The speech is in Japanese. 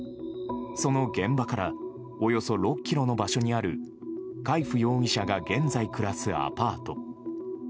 その現場からおよそ６ｋｍの場所にある海部容疑者が現在暮らすアパート。